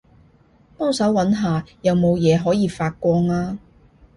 幫手搵下有冇嘢可以發光吖